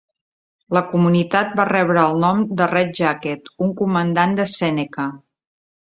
La comunitat va rebre el nom de Red Jacket, un comandant de Sèneca.